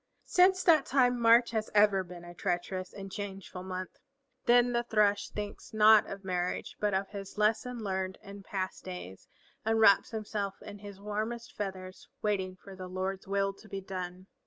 Since that time March has ever been a treacherous and a changeful month. Then the Thrush thinks not of marriage, but of his lesson learned in past days, and wraps himself in his warmest feathers, waiting for the Lord's will to be done.